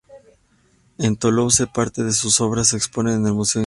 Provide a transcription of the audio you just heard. En Toulouse parte de sus obras se exponen en el Museo Ingres.